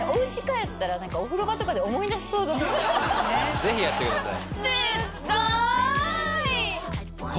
ぜひやってください。